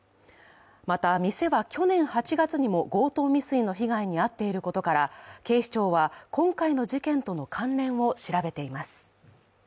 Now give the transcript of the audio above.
また、店は去年８月にも強盗未遂の被害に遭っていることから警視庁は今回の事件との関連を調べています。